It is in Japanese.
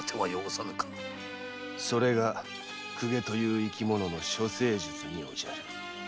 それが公家という生き物の処世術におじゃる。